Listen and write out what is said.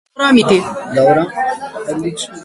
Zdaj moram iti.